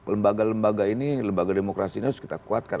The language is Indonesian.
lembaga lembaga ini lembaga demokrasi ini harus kita kuatkan